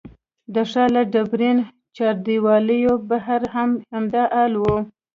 د ښار له ډبرین چاردیوالۍ بهر هم همدا حال و.